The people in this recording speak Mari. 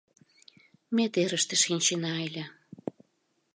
Ме терыште шинчена ыле.